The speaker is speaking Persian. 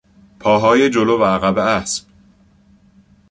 پاهای جلو و عقب اسب